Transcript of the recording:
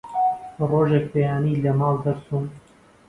ڕۆژێک بەیانی لە ماڵ دەرچووم